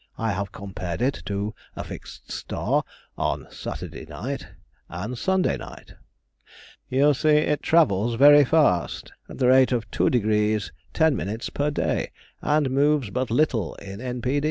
I have compared it to a fixed star, on Saturday night and Sunday night.... You see it travels very fast—at the rate of 2° 10ʹ per day—and moves but little in N.